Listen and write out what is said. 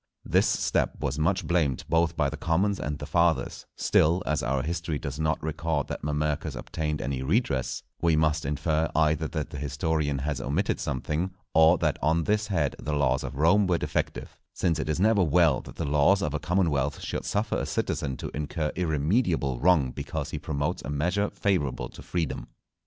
This step was much blamed both by the commons and the Fathers; still, as our History does not record that Mamercus obtained any redress, we must infer either that the Historian has omitted something, or that on this head the laws of Rome were defective; since it is never well that the laws of a commonwealth should suffer a citizen to incur irremediable wrong because he promotes a measure favourable to freedom.